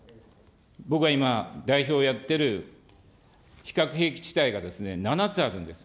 僕は今、代表やってる非核兵器地帯が７つあるんです。